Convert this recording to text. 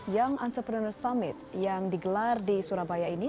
young entrepreneur summit yang digelar di surabaya ini